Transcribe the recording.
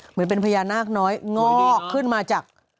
เหมือนเป็นพญานาคน้อยงอกขึ้นมาจาก